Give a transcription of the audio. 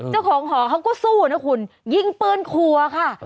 เจ้าของหอเขาก็สู้นะคุณยิงปืนครัวค่ะ